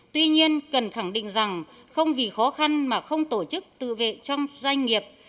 tuy nhiên cần khẳng định rằng không vì khó khăn mà không tổ chức tự vệ trong doanh nghiệp